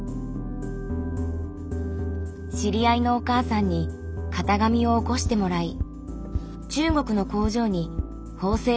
知り合いのお母さんに型紙をおこしてもらい中国の工場に縫製を頼んだんです。